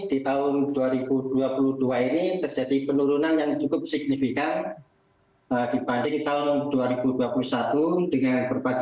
di tahun dua ribu dua puluh dua ini terjadi penurunan yang cukup signifikan dibanding tahun dua ribu dua puluh satu dengan berbagai